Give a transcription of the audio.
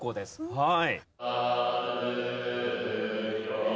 はい。